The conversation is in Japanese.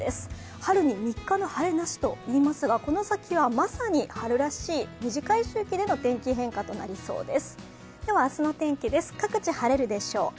春に３日の晴れなしと言いますが、この先はまさに春らしい短い周期での天気変化となりそうです。